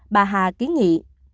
bà hà ký nghị